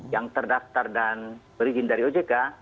yang terdaftar dan berizin dari ojk